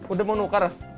udah mau nuker